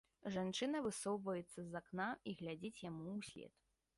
Жанчына высоўваецца з акна і глядзіць яму ўслед.